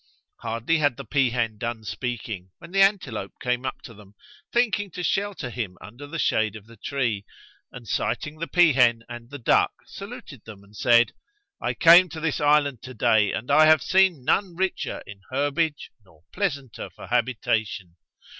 Hardly had the peahen done speaking, when the antelope came up to them, thinking to shelter him under the shade of the tree; and, sighting the peahen and the duck, saluted them and said, 'I came to this island to day and I have seen none richer in herbage nor pleasanter for habitation."